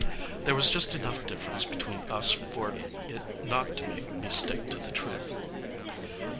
There was just enough difference between us for it not to make me stick to the truth.